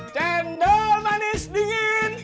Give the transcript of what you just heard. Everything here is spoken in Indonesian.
cendol manis dingin